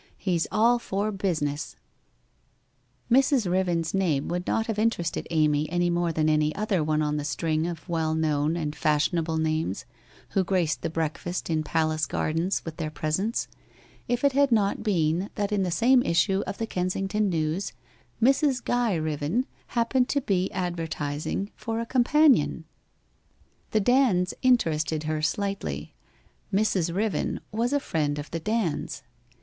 He's all for business/ Mrs. Eiven's name would not have interested Amy any more than any other one of the string of well known and WHITE ROSE OF WEARY LEAF 39 fashionable names who graced the breakfast in Palace Gardens with their presence, if it had not been that in the same issue of the Kensington News, Mrs. Guy Riven happened to be advertising for a companion. The Dands interested her slightly: Mrs. Riven was a friend of the Dands.